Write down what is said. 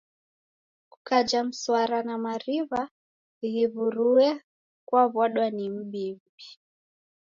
Kukaja mswara na mariw'a ghiw'uruye kwaw'adwa ni mbimbi.